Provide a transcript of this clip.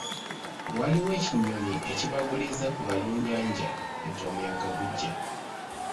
Waliwo ekinyonyi ekibaguliza ku balunnyanja nti omuyaga gujja.